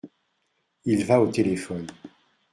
Il va au téléphone.